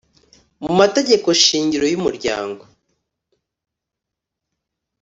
mu mategeko shingiro y umuryango